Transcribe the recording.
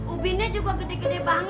ubinnya juga gede gede banget